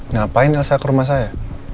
ngapain saya ke rumah saya